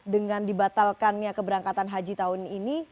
dengan dibatalkannya keberangkatan haji tahun ini